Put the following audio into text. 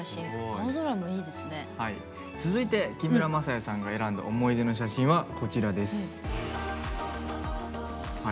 続いて木村柾哉さんが選んだ思いの出の写真は、こちらです。